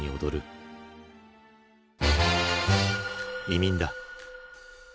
移民だ。